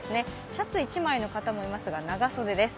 シャツ１枚の方もいますが、長袖です。